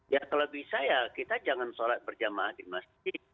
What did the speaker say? ya kalau bisa ya kita jangan sholat berjamaah di masjid